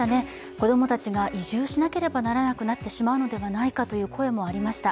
子供たちが移住しなければいけなくなってしまうのではないかという声もありました。